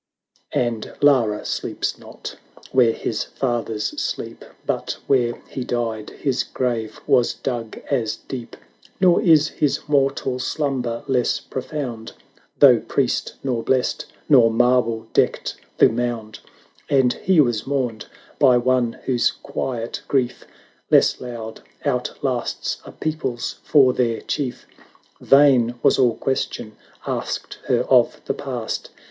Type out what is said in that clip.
And I>ara sleeps not where his fathers sleep, But where he died his grave was dug as deep; Nor is his mortal slumber less profound, Though priest nor blessed nor marble decked the mound, And he was mourned by one whose quiet grief, Less loud, outlasts a people's for their Chief. 1 1 70 Vain was all question asked her of the past.